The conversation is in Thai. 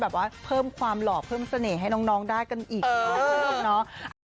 แบบว่าเพิ่มความหล่อเพิ่มเสน่ห์ให้น้องได้กันอีกเนาะ